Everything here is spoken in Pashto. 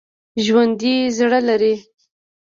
ژوندي زړه لري